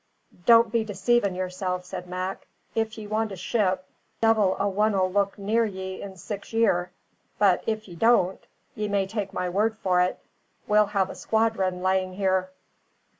"Don't be deceivin' yourself," said Mac. "If ye want a ship, divil a one'll look near ye in six year; but if ye don't, ye may take my word for ut, we'll have a squadron layin' here."